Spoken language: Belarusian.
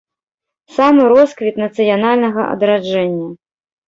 Самы росквіт нацыянальнага адраджэння.